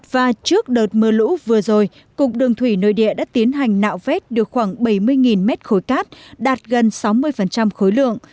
và trước đợt mưa lũ vừa rồi cục đường thủy nội địa đã tiến hành nạo vét được khoảng bảy mươi mét khối cát đạt gần sáu mươi khối lượng